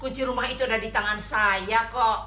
kunci rumah itu udah di tangan saya kok